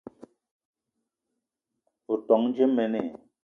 O ton dje mene?